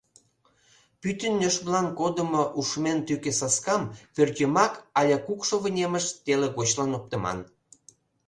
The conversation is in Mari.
Пӱтынь нӧшмылан кодымо ушмен тӱкӧ саскам пӧртйымак але кукшо вынемыш теле гочлан оптыман.